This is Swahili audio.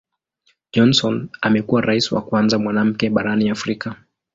Johnson amekuwa Rais wa kwanza mwanamke barani Afrika.